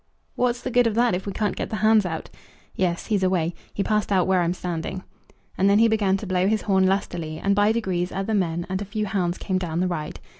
"What's the good of that if we can't get the hounds out? Yes, he's away. He passed out where I'm standing." And then he began to blow his horn lustily, and by degrees other men and a few hounds came down the ride.